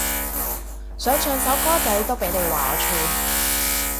想唱首歌仔都俾你話我串